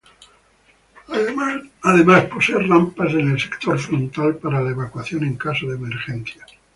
Además posee rampas en el sector frontal para la evacuación en caso de emergencia.